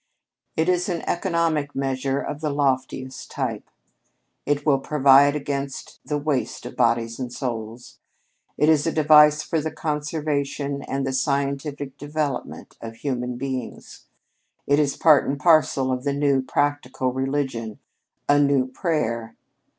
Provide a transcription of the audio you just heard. "It is an economic measure of the loftiest type. It will provide against the waste of bodies and souls; it is a device for the conservation and the scientific development of human beings. It is part and parcel of the new, practical religion a new prayer.